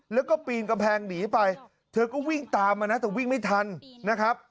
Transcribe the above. แล้วก็ปีนกำแพงหนีไปเธอก็วิ่งตามมานะแต่วิ่งไม่ทันนะครับ